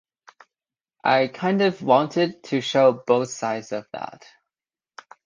I kind of wanted to show both sides of that.